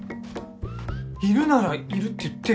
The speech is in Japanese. いるならいるって言ってよ。